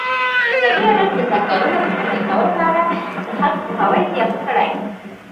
ازادي راډیو د د ځنګلونو پرېکول په اړه د خلکو پوهاوی زیات کړی.